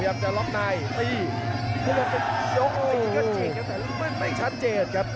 พยายามจะยกสิทธิ์กันจริงแต่ไม่ชัดเจนครับ